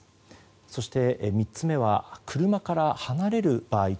そして、３つ目は車から離れる場合。